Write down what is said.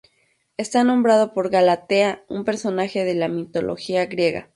Está nombrado por Galatea, un personaje de la mitología griega.